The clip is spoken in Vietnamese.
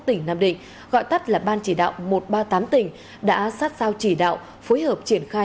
tỉnh nam định gọi tắt là ban chỉ đạo một trăm ba mươi tám tỉnh đã sát sao chỉ đạo phối hợp triển khai